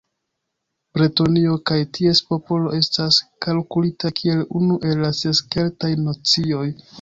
Bretonio kaj ties popolo estas kalkulita kiel unu el la ses Keltaj nacioj.